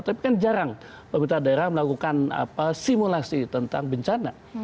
tapi kan jarang pemerintah daerah melakukan simulasi tentang bencana